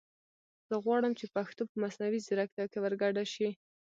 زه غواړم چې پښتو په مصنوعي زیرکتیا کې ور ګډه شي